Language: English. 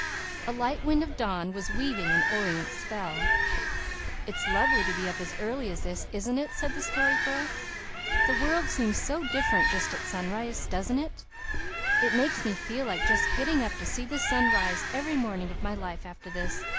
A light wind of dawn was weaving an orient spell. "It's lovely to be up as early as this, isn't it?" said the Story Girl. "The world seems so different just at sunrise, doesn't it? It makes me feel just like getting up to see the sun rise every morning of my life after this.